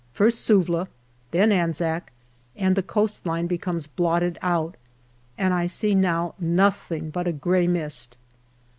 First Suvla, then Anzac and the coast line become blotted out, and I see now nothing but a grey mist.